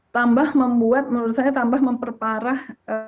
tambah membuat menurut saya tambah memperparah